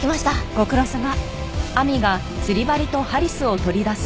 ご苦労さま。